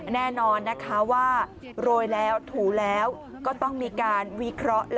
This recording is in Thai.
แน่นอนนะคะว่าโรยแล้วถูแล้วก็ต้องมีการวิเคราะห์